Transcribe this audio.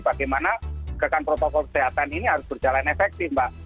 bagaimana kekan protokol kesehatan ini harus berjalan efektif mbak